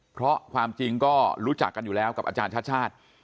เพราะความจริงก็รู้จักกันอยู่แล้วกับอาจารย์ชาติชาติ